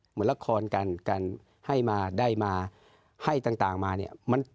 เหมือนละครกันกันให้มาได้มาให้ต่างมาเนี่ย